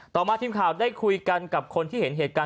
ต่อมาทีมข่าวได้คุยกันกับคนที่เห็นเหตุการณ์